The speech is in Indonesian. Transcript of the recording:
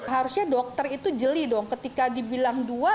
harusnya dokter itu jeli dong ketika dibilang dua